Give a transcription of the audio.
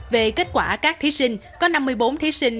về kết quả các thí sinh có năm mươi bốn thí sinh